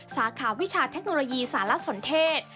สาขาวิชาเทคโนโลยีสารสนเทศ